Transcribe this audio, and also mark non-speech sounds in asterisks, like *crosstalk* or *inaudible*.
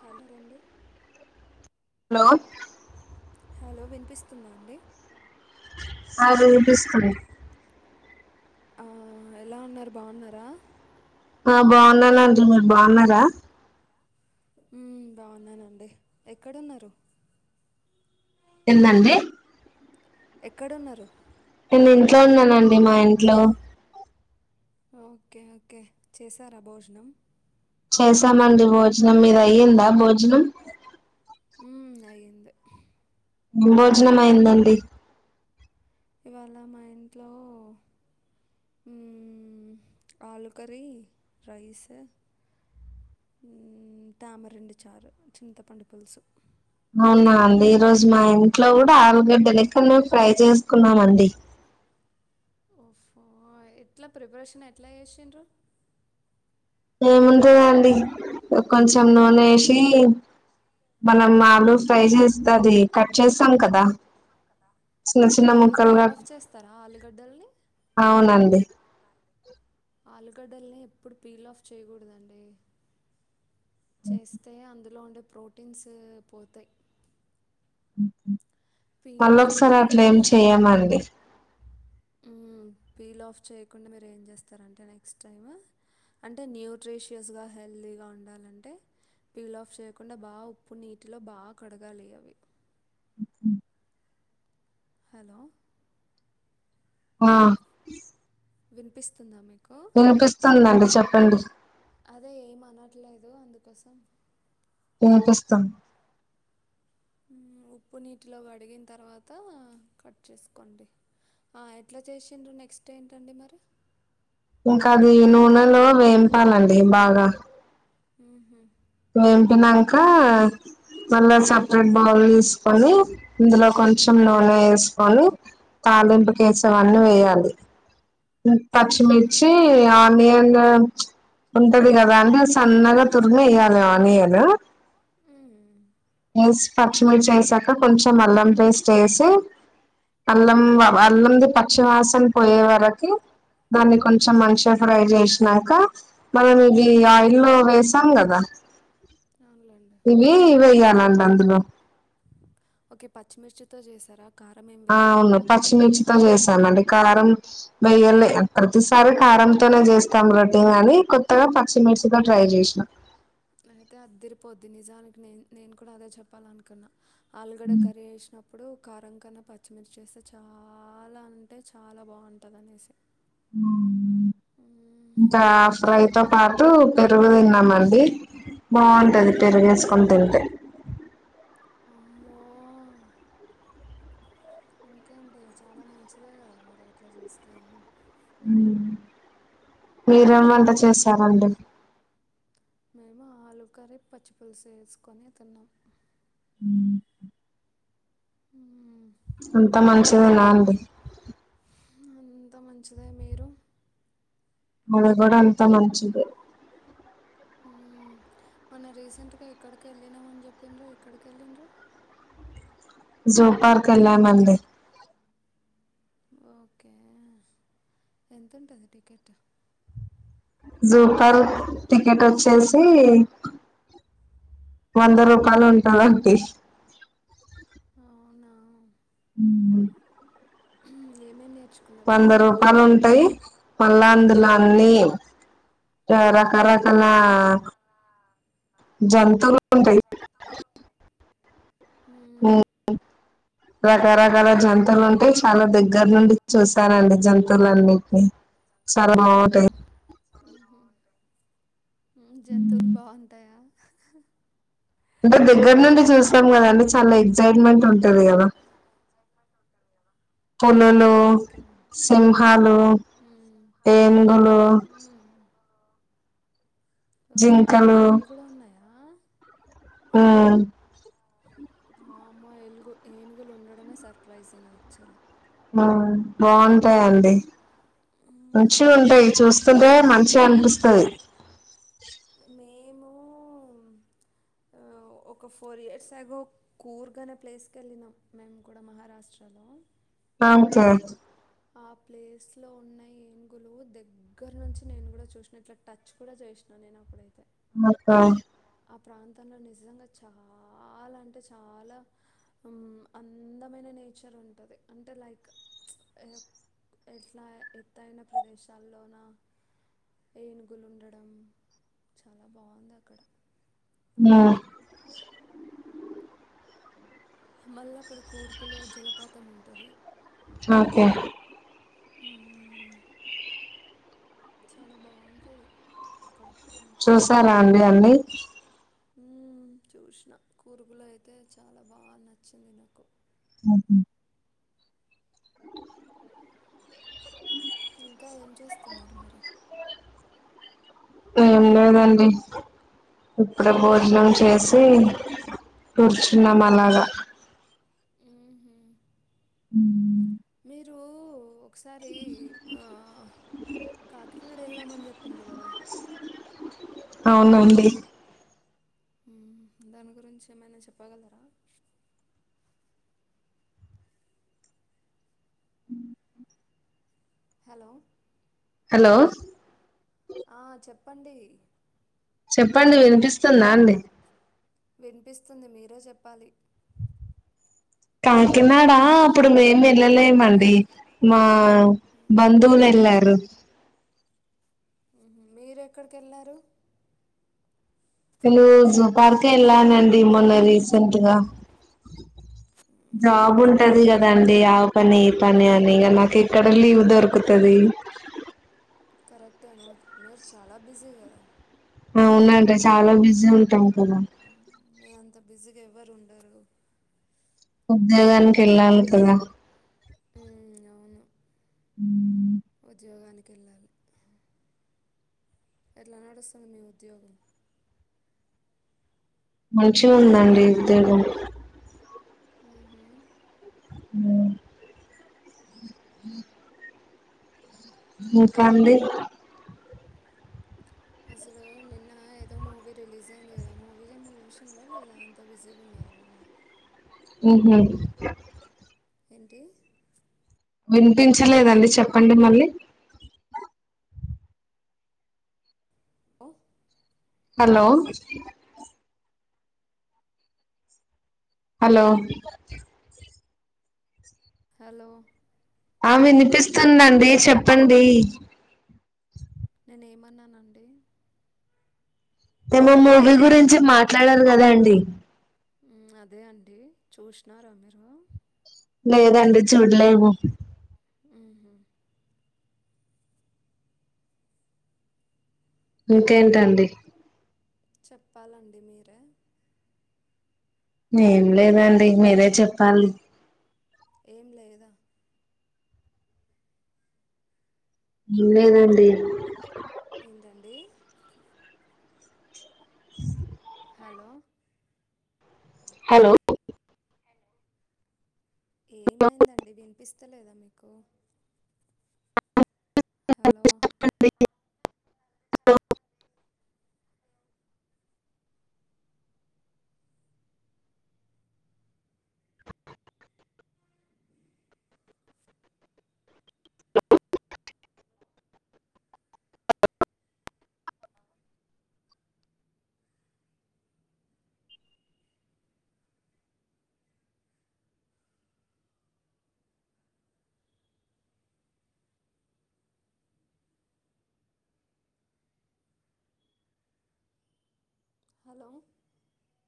Hello అండి hello hello వినిపిస్తుందా అండి ఆ వినిపిస్తుంది ఆ ఎలా ఉన్నారు బావున్నారా ఆ బవునాన్ ఆంటీ మీరు బావున్నారా ఉమ్ బావున్నానన్డి ఎక్కడున్నారు ఎందండి ఎక్కడున్నారు నేను ఇంట్లో ఉన్నానన్డి మా ఇంట్లో ఒకే ఒకే చేసారా భోజనమ్ చేసామన్డి భోజనమ్ మీదయిందా భోజనమ్ ఉమ్ అయింది భోజనం అయిన్దన్డి ఇవాళ మా ఇంట్లో ఉమ్ ఆలు కర్రీ రైస్ తామరనడ్ చారు చింతపండు పులుసు అవునా అన్డి ఈరోజు మా ఇంట్లో గూడా ఆలుగడ్డ లెక్కను ఫ్రై చేస్కున్నామన్డి ఓ ఫో ఎట్లా ప్రిపరేషన్ ఎట్లా చేసిన్డ్రు ఏమున్టదన్డి కొంచెం నూనేసి మనం ఆలూఫ్రై చేస్త్ది కట్ చేస్తామ్ కదా చిన్న చిన్న ఒకే మీరు ముక్కలుగా పీల్ఆఫ్ చేస్తారా ఆలుగడ్డల్ని అవునండి ఆలుగడ్డలని ఎప్పుడు పీల్ ఆఫ్ చేయకూడదండి చేస్తే అందు ట్లో ఉండే ప్రోటీన్స్ పోతాయి అఓకే పీల్ మళ్ళ ఆఫ్ ఒకసారి అట్లే ఏం చేయకుండా చెయమండి పీల్ ఆఫ్ చేయకుండా మీరు ఏం చేస్తారంటే నెక్స్ట్ టైం అంటే న్యూట్ర్రిషియస్గా హెల్దీగా ఉండాలంటే పీల్ ఆఫ్ చేయకుండా బాగా ఉప్పు నీటిలో బాగా కడగాలి అవి హలో ఆ వినిపిస్తుందా మీకు వినిపిస్తుందండి చెప్పండి అదే ఏం అనట్లేదు అందుకోసం పనిపిస్తస్తాం ఉప్పు నీటిలో అడిగిన తర్వాత కట్ చేసుకోండి ఎట్లా చేసిండ్రు నెక్స్ట్ ఏంటండి మరి ఇంకా అది నూనెలో వేయింపాలండి బాగా హ వేంపినాక మళ్ళా సపరేట్ బౌల్ వేసుకొని ఇందులో కొంచెం నూనె వేసుకొని తాలింపు కేసువన్నీ వేయాలి పచ్చిమిర్చి మ్మ్హ్మ్. ఆనియన్ ఉంటది కదా అంటే సన్నగా తుర్మి వయాల నాని అనా మ్మ్. వే పచ్చిమిర్చి వేసాక కొంచెం అల్లం పేస్ట్ వేసి అల్లం మ్మ్. అల్లంది పచ్చివాసన పోయే వరకి దాన్ని కొంచెం మంచిగా ఫ్రై చేసినాక మనం ఇవి ఆయిల్ లో వేసాం కదా అవునులేండి ఇవి ఇ వేయాలి అలో ఓకే పచ్చిమిర్చితో చేసారా కారమేం ఆ వేదు అవును పచ్చిమిర్చితో చేశామ అండి కారం వెయ్యలే ప్రతిసారి కారంంతోనే చేస్తాం రొటీ అని పచ్చిమిర్చి మ్మ్. తో ట్రై చేసిన అది నిజానికి నేను నేను కూడా అదే చెప్పాలనుకున్నా ఆలుగడ కర్రీ వేసినప్పుడు కారం అకన్నా పచ్చిమిర్చ వ చేస్తే చాలా అంటే చాలా బాగుంటుంది అనేసి మ్మ్. ఇంకా ఆఫ్రైతో పా తూ పెరుగు తిన్నామండి బాగుంటది పెరుగేసుకొని తింటే అమో ఇంకే అంటిడి చాలా మంచిదే కదా మరి అట్లా చేస్తేను మీర ఎంత చేసారండి మేము ఆలు కర్ర పచ్చి పులుసు వేసుకొని తిన్నాం ఉమ్ హ అంత మంచిదేనా అంది అంత మంచిదే మీరు మనక్ కూడా అంతా మంచిదే మొన్న రీసెంట్గా ఎక్కడికొ వెళ్ళినమని చెప్పిండ్రు ఎక్కడికి వెళ్లిండ్రు జో పార్క్ ఎల్లామండి ఓకే ఎంతుంటది టికెట్ జూపార్క్ టికెట్ వచ్చేసి వంద రూపాయలు ఉంటదండి అవునా ఉ ఏమేం నేర్ప్ వంద రూపాలు ఉంటాయి మళ్ళ అందులా అన్ని రా రకరకాల ఆ జంతువులు ఉంటాయి ఉ రకరకాల జంతువులు ఉంటాయి చాలా దగ్గర్ నుండి చూసానండి జంతువులన్నింటిని చాలా బాగుంటాయి ఉ జంతువులు బాగుంటాయా *unintelligible* *inaudible* దుక్ దగ్గర నుండి చూసాం ఊహూ కదండి చాలా ఎగజైట్మెంట్ ఉంటది కదా పులులు ఓకే ఓకే సింహాలు మ్మ్. ఏనుగులు మ్మ్. ఓ జింకలు ఏనుగులు గూడా ఉన్నాయా ఉ వామ్మొ ఏలుగు ఏనుగులు ఉండడమే సర్ప్రైజింగ్ యాక్చువలి మ్ బాగుండ్ టాయండి మంచిగా ఉంటాయి చూస్తుంటేనే మంచిగా అనిపిస్తది మేము ఓ ఒక ఫోర్ ఇయర్స్ ఎగో కూర్గ్ అనే ప్లేస్కి వెళ్ళినాం మేము కూడా మహారాష్ట్రలో మంచెగ్ ఆ ప్లేస్ లో ఉన్న ఏనుగులు దగ్గర్నుంచి నేను కూడా చూసిన ఇట్లా టచ్ కూడా చేసినా నేను అప్పుడైతే మొత్త ఆ ప్రాంతంలో నిజంగా చాలా అంటే చాలా ఉమ్ అందమైన నేచర్ ఉంటది అంటే లైక్ ఎ ఎట్లా ఎత్తయిన ప్రదేశాల్లోనా ఏనుగులు ఉండడం చాలా బాగుంది అక్కడ న్యు మళ్ళా అక్కడ కూర్గ్ లో జలపాతం ఉంటది అకే ఉ హు చాలా బావుంటది అక్కడ చూసారా అండి అన్నీ ఉమ్ చూసిన కూర్గ్ లో అయితే చాలా బా నచ్చింది నాకు ఉహ్ ఇంకా ఏం చేస్తున్నారు మరి ఏం లేదండి ఇప్పుడే భోజనం చేసి కూర్చున్నం అలాగా మ్మ్హ్మ్. ఉమ్ ఇరూ ఒకసారి ఆ కాకినాడ వెళ్ళామని చెప్పిండ్రు కదా అవునండి దాని గురించి ఏమైనా చెప్పగలరా హలో హలో ఆ చెప్పండి చెప్పండి వినిపిస్తుందా అండి వినిపిస్తుంది మీరే చెప్పాలి కాకినాడా అప్పుడు మేము వెళ్ళలేమండి మా ఆ బంధువులు ఎల్లారు హు హుం మీర్ ఎక్కడికి వెళ్ళారు హేలో జూ పార్కు ఎల్లానండి మొన్న రీసెంట్గా మ్మ్, జాబ్ జూ ఉంటది పార్కా కదండి ఆ పని ఈ పని అ నిగ నాకు ఎక్కడ లీవ్ దొరుకుతది కరెక్టే నోయి మీరు చాలా బిజీ కదా అవునండి చాలా బిజీ ఉంటాం కదా మీ అంత బిజిగా ఏ వ్ ఎవరుండరు ఉద్యోగానికి ఎళ్ళాలి కదా ఉమ్ అవును మ్మ్. ఉద్యోగాని ఏళ్లాలి ఎట్లా నడుస్తుంది మీ ఉద్యోగం మంచిగా ఉందండి ఉద్యోగం మ్ హు అ హ ఇంకా అండి అసలు నిన్న ఏదో మూవీ రిలీజ్ అయింది కదా, మూవీ జ్ అన్నా చూసిన్ర లేదా అంత బిజీగా ఉన్నారా మళ్ళా హ్ హు ఏంటి వినిపించలేదండి చెప్పండి మళ్ళీ ఓ హలో హలో హలో ఆ వినిపిస్తుందండి చెప్పండి నేనే ఏమన్నానండి మేమ మూవీ గురించి మాట్లాడరు కదా అండి అదే అండి చూసినార మీరు లేదండి చూడలేవు మ్ ఇంకేంటండి చెప్పాలండి మీరే ఏం లేదండి మీరే చెప్పాలి ఏం లేదా లేదండి ఏంటండి హలో హలో ఏమైందండి వినిపిస్ చెత్తలేదా మీకు హలో *unintelligible* హలో